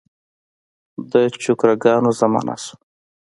د چوکره ګانو زمانه شوه.